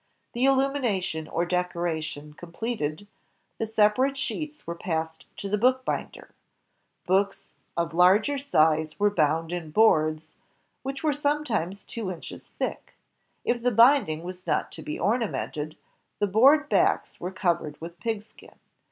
The illumination or decoration com pleted, the sepa rate sheets were passed to the book binder. Books of large size were bound in boards which were some times two inches thick. If the bind ing was not to l>e ornamented, the board backs were covered with pigskin.